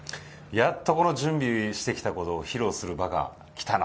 やっと準備してきたものを披露する場がきたな